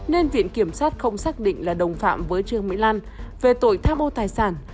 nên viện kiểm sát không xác định là đồng phạm với trương mỹ lan về tội tham ô tài sản